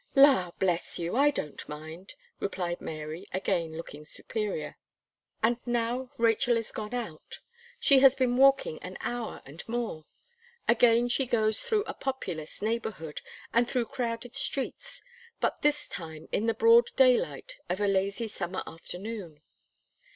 "La, bless you! I don't mind," replied Mary, again looking superior. And now, Rachel is gone out. She has been walking an hour and more. Again, she goes through a populous neighbourhood, and through crowded streets; but this time, in the broad daylight of a lazy summer afternoon.